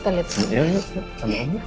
tapi kamu malah berani bantah